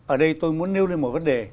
ở đây tôi muốn nêu lên một vấn đề